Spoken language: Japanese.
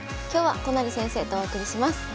今日は都成先生とお送りします。